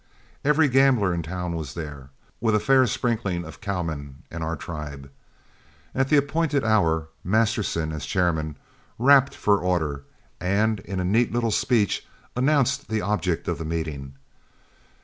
Every gambler in town was there, with a fair sprinkling of cowmen and our tribe. At the appointed hour, Masterson, as chairman, rapped for order, and in a neat little speech announced the object of the meeting.